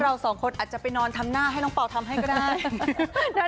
เราสองคนอาจจะไปนอนทำหน้าให้น้องเปล่าทำให้ก็ได้